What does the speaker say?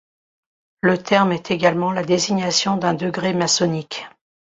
Le terme est également la désignation d'un degré maçonnique.